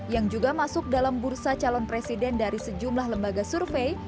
yang juga masuk dalam bursa calon presiden dari sejumlah lembaga survei